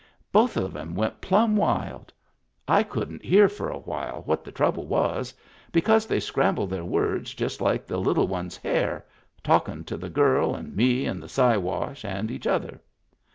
Both of 'em went plumb wild. I couldn't hear for a while what the trouble was, because they scrambled their words just like the little one's hair, talkin' to the girl and me and the Siwash and each other.